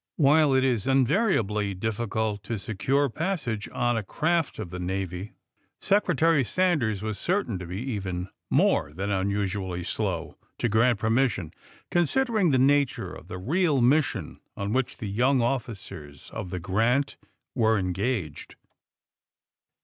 While it is AND THE SMUGGLERS 51 invariably difficult to secure passage on a craft of the Navy, Secretary Sanders was certain to be even more than usually slow to grant per mission, considering the nature of the real mis sion on which the young officers of the ^^Granf were engaged.